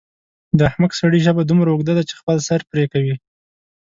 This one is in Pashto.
د احمق سړي ژبه دومره اوږده ده چې خپل سر پرې کوي.